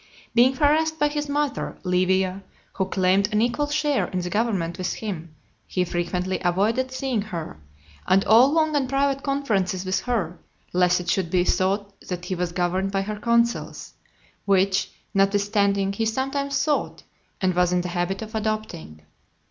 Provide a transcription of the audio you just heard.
Being harassed by his mother, Livia, who claimed an equal share in the government with him, he frequently avoided (223) seeing her, and all long and private conferences with her, lest it should be thought that he was governed by her counsels, which, notwithstanding, he sometimes sought, and was in the habit of adopting.